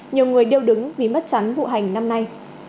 nhiều người đều đứng vì mất chắn vụ hành năm nay